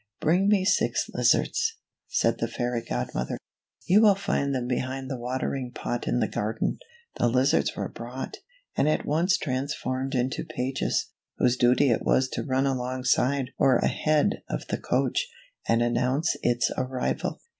" Bring me six lizards," said the fairy godmother. "You will find them behind the watering pot in the garden." The lizards were brought, and at once transformed into pages, whose duty it was to run alongside or ahead of the coach, and announce its arrival.